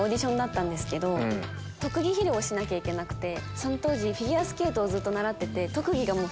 特技披露をしなきゃいけなくてその当時フィギュアスケートをずっと習ってて。